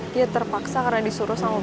dia terpaksa karena disuruh sama